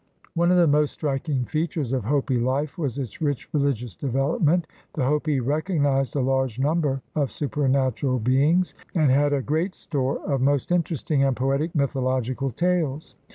One of the most striking features of Hopi life was its rich religious development. The Hopi recognized a large num ber of supernatural beings and had a great store of most interesting and poetic mythological tales.